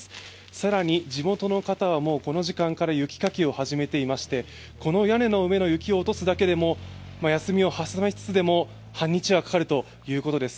更に地元の方はもうこの時間から雪かきを始めていましてこの屋根の上の雪を落とすだけでも、休みを挟みつつだと半日はかかるということです。